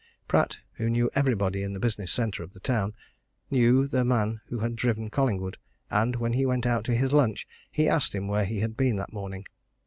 Pratt, who knew everybody in the business centre of the town, knew the man who had driven Collingwood, and when he went out to his lunch he asked him where he had been that morning.